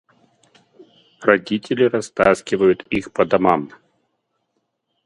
Родители растаскивают их по домам.